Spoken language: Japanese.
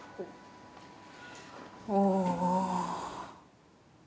おお。